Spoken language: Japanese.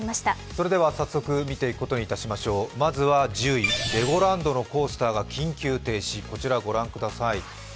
それでは早速見ていくことにしましょう、まず１０位レゴランドのコースターが緊急停止、こちらご覧ください。